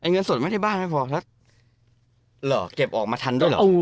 เงินสดไม่ได้บ้านไม่พอแล้วเหรอเก็บออกมาทันด้วยเหรอ